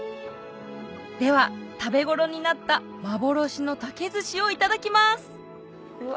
では食べ頃になった幻の竹ずしをいただきますうわ。